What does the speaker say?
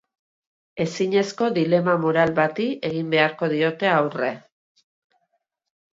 Ezinezko dilema moral bati egin beharko diote aurre.